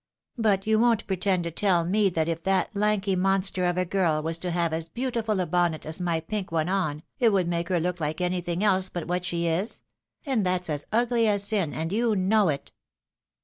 But you won't pretend to fell me that if that lanky monster of a girl was to have as beautiful a bonnet as my pink one on, it would make her look like anything else but what she is ? and that's as ugly as sin, and you know it."